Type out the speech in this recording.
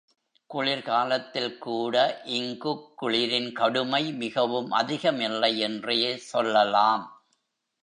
குளிர் காலத்தில்கூட இங்குக் குளிரின் கடுமை மிகவும் அதிகமில்லை என்றே சொல்லலாம்.